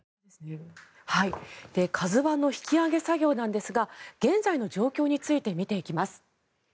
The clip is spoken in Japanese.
「ＫＡＺＵ１」の引き揚げ作業なんですが現在の状況について見ていきます。